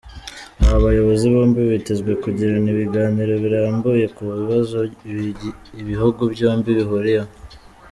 Aba bayobozi bombi bitezwe kugirana ibiganiro birambuye ku bibazo ibihugu byombi bihuriyeho.